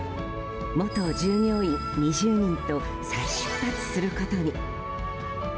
元従業員２０人と再出発することに。